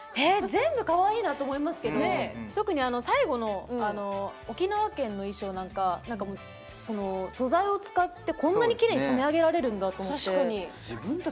全部かわいいなと思いますけど特に最後の沖縄県の衣装なんか素材を使ってこんなにきれいに染め上げられるんだと思って。